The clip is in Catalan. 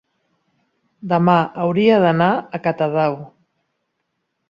Demà hauria d'anar a Catadau.